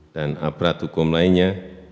dan aparat hukum lainnya